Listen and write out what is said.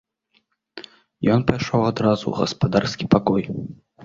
Ён пайшоў адразу ў гаспадарскі пакой.